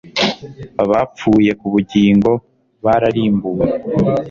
Bapfuye ku bugingo bararimbuwe